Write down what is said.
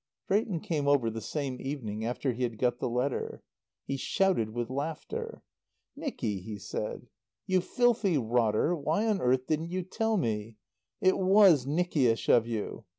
Drayton came over the same evening after he had got the letter. He shouted with laughter. "Nicky," he said, "you filthy rotter, why on earth didn't you tell me?... It was Nickyish of you....